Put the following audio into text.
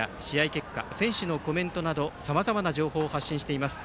結果選手のコメントなどさまざまな情報を発信しています。